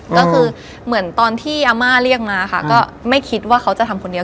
ก็คือเหมือนตอนที่อาม่าเรียกมาค่ะก็ไม่คิดว่าเขาจะทำคนเดียว